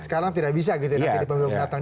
sekarang tidak bisa gitu ya nanti pemilu pemilu datang